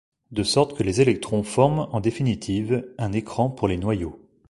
De sorte que les électrons forment en définitive un écran pour les noyaux.